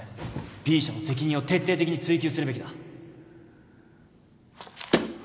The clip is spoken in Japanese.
Ｂ 社の責任を徹底的に追及するべきだ